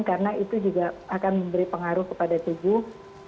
karena itu juga akan memberi pengaruh kepada sejuh